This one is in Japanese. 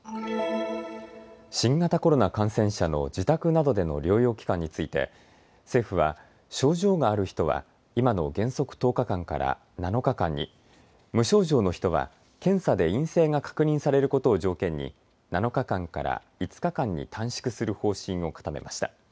新型コロナ感染者の自宅などでの療養期間について政府は症状がある人は今の原則１０日間から７日間に、無症状の人は検査で陰性が確認されることを条件に７日間から５日間に短縮する方針を固めました。